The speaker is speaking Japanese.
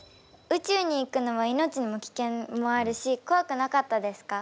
宇宙に行くのは命の危険もあるしこわくなかったですか？